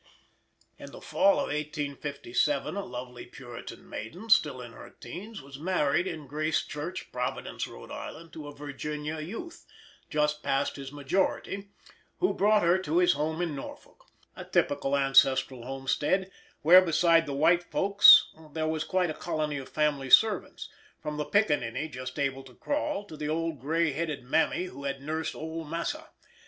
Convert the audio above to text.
In the fall of 1857 a lovely Puritan maiden, still in her teens, was married in Grace Church, Providence, Rhode Island, to a Virginia youth, just passed his majority, who brought her to his home in Norfolk, a typical ancestral homestead, where beside the "white folks" there was quite a colony of family servants, from the pickaninny just able to crawl to the old gray headed mammy who had nursed "ole massa."